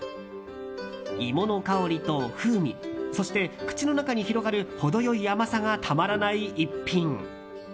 芋の香りと風味そして口の中に広がる程良い甘さがたまらない逸品。